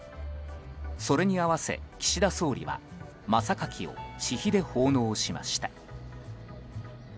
それに合わせ、岸田総理は真榊を私費で奉納しました。